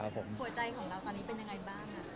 หัวใจของเราตอนนี้เป็นยังไงบ้าง